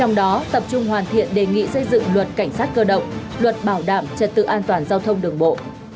trong đó tập trung hoàn thiện đề nghị xây dựng luật cảnh sát cơ động luật bảo đảm trật tự an toàn giao thông đường bộ